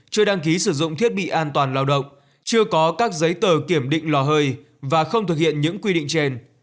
chưa đăng ký sử dụng thiết bị an toàn lao động chưa có các giấy tờ kiểm định lò hơi và không thực hiện những quy định trên